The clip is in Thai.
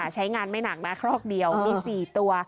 ใช้งานไม่หนักนะครอกเดียวมี๔ตัว